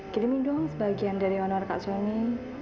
kirimin dong sebagian dari honor kak soni